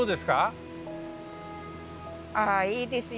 ああいいですよ。